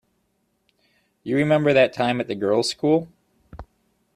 You remember that time at the girls' school?